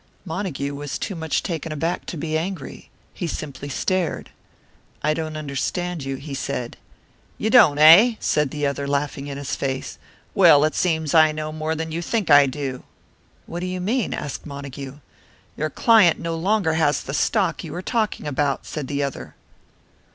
Montague was too much taken aback to be angry. He simply stared. "I don't understand you," he said. "You don't, eh?" said the other, laughing in his face. "Well, it seems I know more than you think I do." "What do you mean?" asked Montague. "Your client no longer has the stock that you are talking about," said the other.